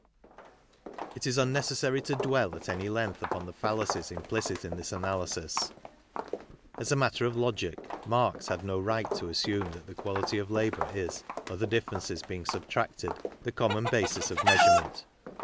It is unnecessary to dwell at any length upon the fallacies implicit in this analysis. As a matter of logic, Marx had no right to assume that the quality of labour is, other differences being subtracted, the common basis of measurement.